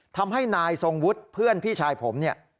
ทำให้นายทรงวุฒิเพื่อนพี่ชายผมเนี่ย